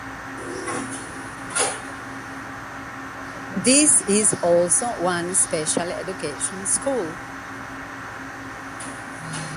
These is also one special education school.